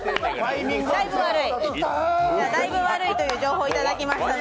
だいぶ悪いという情報をいただきましたので。